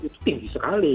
itu tinggi sekali